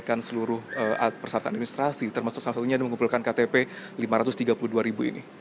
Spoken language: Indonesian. apakah sudah mereka sudah menyelesaikan seluruh persyaratan administrasi termasuk salah satunya mengumpulkan ktp lima ratus tiga puluh dua ribu ini